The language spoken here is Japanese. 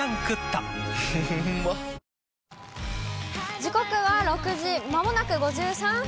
時刻は６時、まもなく５３分。